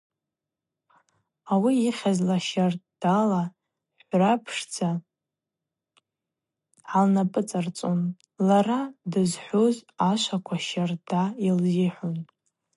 Ауи йыхьызла щардала хӏврапшдза гӏалнапӏыцӏарцӏун, лара дызхӏвуз ашваква щардала йылзихӏвун.